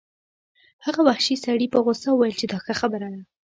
هغه وحشي سړي په غوسه وویل چې دا ښه خبره ده